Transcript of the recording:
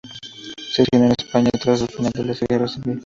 Se exilió de España tras el final de la Guerra civil.